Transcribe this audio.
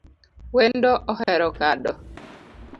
Wendo ohero kado